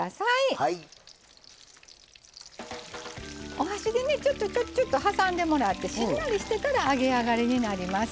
お箸でねちょっちょっちょっと挟んでもらってしんなりしてから揚げ上がりになります。